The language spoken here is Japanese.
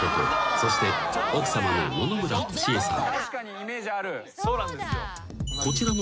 ［そして奥さまの野々村俊恵さん］